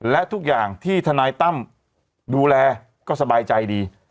และทุกอย่างที่ทนายตั้มดูแลก็สบายใจดี